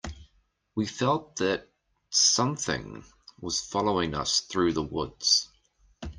We felt that something was following us through the woods.